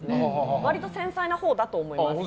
割と繊細なほうだと思います。